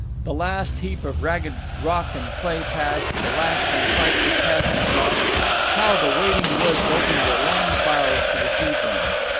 The last heap of ragged rock and clay passed, the last unsightly chasm crossed how the waiting woods opened their long files to receive them!